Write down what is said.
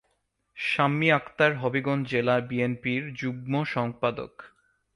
শাম্মী আক্তার হবিগঞ্জ জেলা বিএনপির যুগ্ম সম্পাদক।